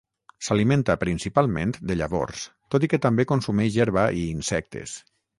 S'alimenta principalment de llavors, tot i que també consumeix herba i insectes.